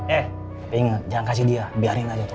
eh jangan kasih dia biarin aja tuh